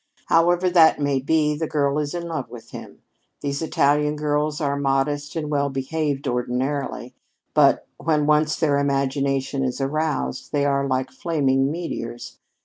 "However that may be, the girl is in love with him. These Italian girls are modest and well behaved ordinarily, but when once their imagination is aroused they are like flaming meteors.